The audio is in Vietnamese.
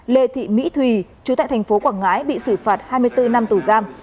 lê thị mỹ thùy chú tại thành phố quảng ngãi bị xử phạt hai mươi bốn năm tù giam